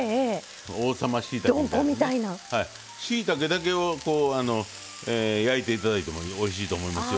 しいたけだけを焼いて頂いてもおいしいと思いますよ。